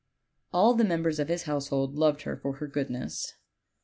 All the members of his household loved her for her goodness.